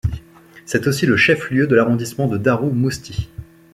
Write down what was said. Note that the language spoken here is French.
C'est aussi le chef-lieu de l'arrondissement de Darou Mousty.